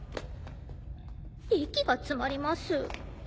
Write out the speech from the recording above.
息が詰まります。